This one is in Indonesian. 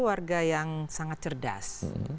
warga yang sangat cerdas